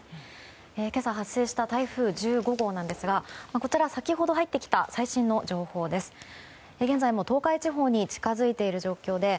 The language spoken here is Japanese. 今朝、発生した台風１５号なんですがこちら、先ほど入ってきた最新の情報です。